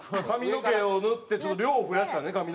髪の毛を塗ってちょっと量を増やしたね